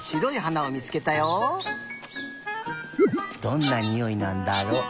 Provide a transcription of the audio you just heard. どんなにおいなんだろう。